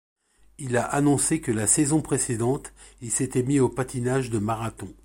Il annoncé que la saison précédente il s'était mis au patinage de marathon.